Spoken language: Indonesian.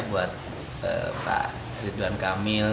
buat pak ridwan kamil